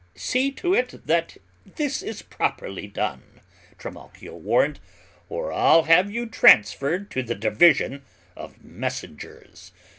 "See to it that this is properly done," Trimalchio warned, "or I'll have you transferred to the division of messengers!"